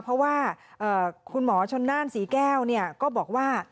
เพราะว่าคุณหมอชนน่านศรีแก้วก็บอกว่า